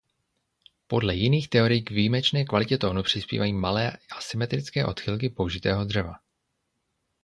Podle jiných teorií k výjimečné kvalitě tónu přispívají malé asymetrické odchylky použitého dřeva.